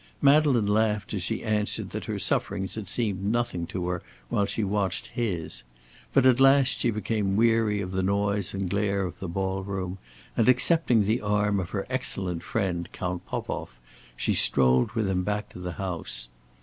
Madeleine laughed as she answered that her sufferings had seemed nothing to her while she watched his. But at last she became weary of the noise and glare of the ball room, and, accepting the arm of her excellent friend Count Popoff, she strolled with him back to the house.